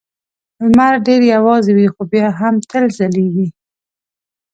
لمر ډېر یوازې وي خو بیا هم تل ځلېږي.